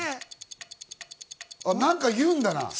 何か言うんだな。